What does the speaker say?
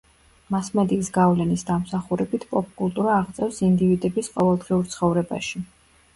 მასმედიის გავლენის დამსახურებით პოპ კულტურა აღწევს ინდივიდების ყოველდღიურ ცხოვრებაში.